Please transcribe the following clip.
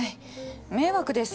迷惑です。